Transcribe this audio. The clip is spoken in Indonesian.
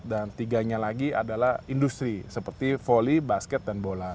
dan tiga nya lagi adalah industri seperti volley basket dan bola